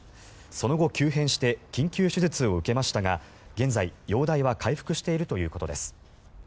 その後、急変して緊急手術を受けましたが現在、容体は回復しているということです。